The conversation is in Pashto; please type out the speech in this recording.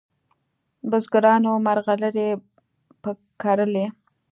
بزګرانو مرغلري په کرلې